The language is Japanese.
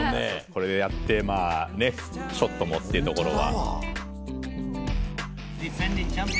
これでやってショットもっていうところが。